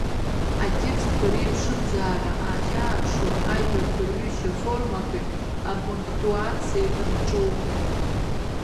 Атекстқәа реиԥшымзаара ахьааԥшуа ажәақәа рҩышьа формақәеи апунктуациеи рҿоуп.